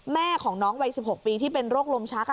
แม่ของน้องวัย๑๖ปีที่เป็นโรคลมชัก